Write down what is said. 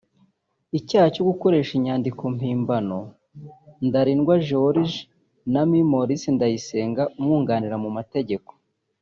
Icyaha cyo gukoresha inyandiko mpimbano Ntarindwa George na Me Maurice Ndayisenga Umwunganira mu mategeko